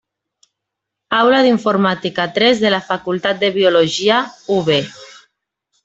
Aula d'informàtica tres de la Facultat de Biologia, UB.